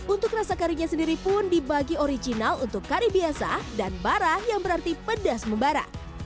untuk rasa karinya sendiri pun dibagi original untuk kari biasa dan bara yang berarti pedas membara